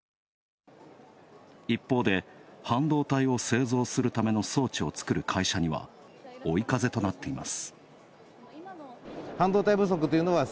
一方で半導体を製造するための装置を作る会社には追い風となっています。